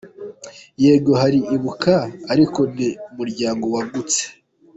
Yego hari Ibuka, ariko ni umuryango wagutse.